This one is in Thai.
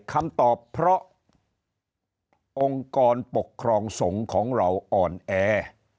คำตอบเพราะองค์กรปกครองสงฆ์ของเราอ่อนแอ